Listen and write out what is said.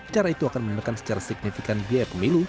cara itu akan menekan secara signifikan biaya pemilu